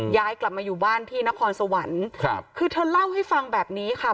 ย้ายกลับมาอยู่บ้านที่นครสวรรค์ครับคือเธอเล่าให้ฟังแบบนี้ค่ะ